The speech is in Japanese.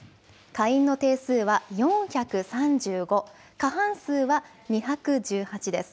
下院の定数は４３５、過半数は２１８です。